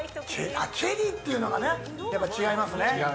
チェリーっていうのがねやっぱり違いますね。